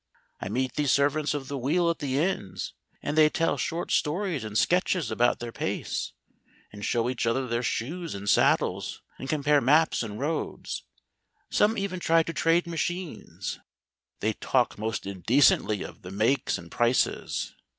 I meet these servants of the wheel at the inns, and they tell short stories and sketches about their pace, and show each other their shoes and saddles, and compare maps and roads; some even try to trade machines. They talk most indecently of the makes and prices.